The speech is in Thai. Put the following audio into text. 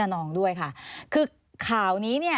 อันดับสุดท้าย